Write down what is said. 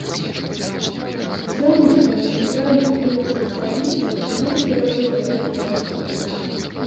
Сёння на цэнтральных вуліцах сталіцы будзе перакрыты рух транспарту.